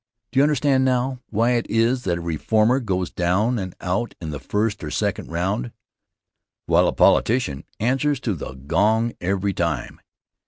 Do you understand now, why it is that a reformer goes down and out in the first or second round, while a politician answers to the gong every time?